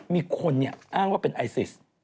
มีคนอ้างว่าเป็นไอซิส